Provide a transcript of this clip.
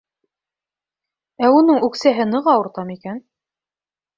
Ә уның үксәһе ныҡ ауырта микән?